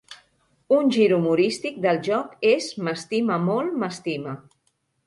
Un gir humorístic del joc és "M'estima, molt m'estima".